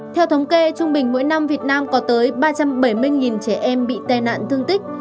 theo thống kê trung bình mỗi năm việt nam có tới ba trăm bảy mươi trẻ em bị tai nạn thương tích